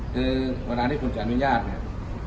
คือเวลาที่คุณจะอนุญาตเนี่ย